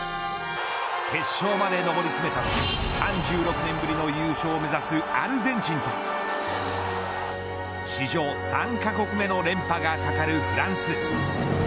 決勝までのぼり詰めた３６年ぶりの優勝を目指すアルゼンチンと史上３カ国目の連覇がかかるフランス。